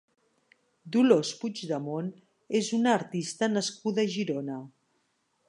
Dolors Puigdemont és una artista nascuda a Girona.